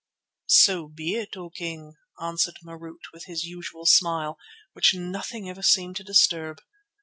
"So be it, O King," answered Marût with his usual smile, which nothing ever seemed to disturb.